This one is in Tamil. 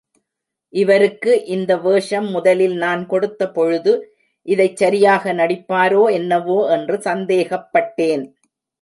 இவருக்கு இந்த வேஷம் முதலில் நான் கொடுத்தபொழுது, இதைச் சரியாக நடிப்பாரோ என்னவோ என்று சந்தேகப்பட்டேன்.